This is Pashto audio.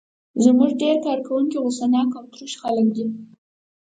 زموږ ډېر کارکوونکي غوسه ناک او تروش خلک دي.